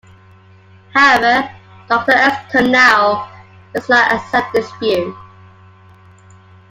However, Doctor S Konow does not accept this view.